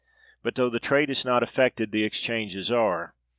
But, though the trade is not affected, the exchanges are.